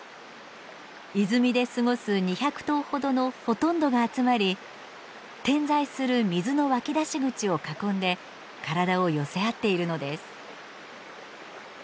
泉で過ごす２００頭ほどのほとんどが集まり点在する水の湧き出し口を囲んで体を寄せ合っているのです。